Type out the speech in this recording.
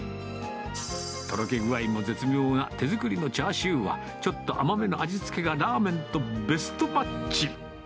とろけ具合も絶妙な手作りのチャーシューは、ちょっと甘めの味付けがラーメンとベストマッチ。